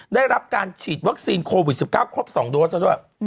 ได้รับการฉีดวัคซีนโควิด๑๙ครบ๒โดสแล้วด้วย